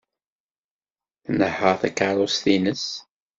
Tnehheṛ takeṛṛust-nnes.